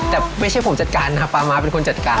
แต่ไม่ใช่ผมจัดการนะครับป๊าม้าเป็นคนจัดการ